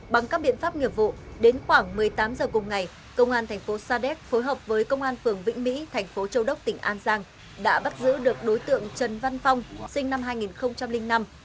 bằng các biện pháp nghiệp vụ đến khoảng một mươi tám h cùng ngày công an thành phố sa đéc phối hợp với công an phường vĩnh mỹ thành phố châu đốc tỉnh an giang đã bắt giữ được đối tượng trần văn phong sinh năm hai nghìn năm